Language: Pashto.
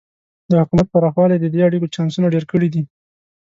د حکومت پراخوالی د دې اړیکو چانسونه ډېر کړي دي.